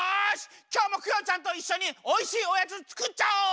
きょうもクヨちゃんといっしょにおいしいおやつつくっちゃおう！